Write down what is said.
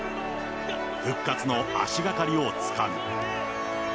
復活の足がかりをつかむ。